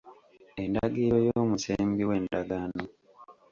Endagiriro y'omusembi w'endagaano.